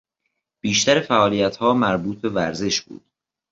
بیشتر فعالیتها مربوط به ورزش بود.